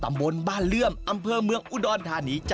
ตำบลบ้านเรื่องอำเภอเมืองอุดอลธานเกลียวใจ